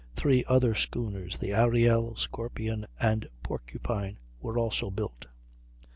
Three other schooners, the Ariel, Scorpion, and Porcupine, were also built.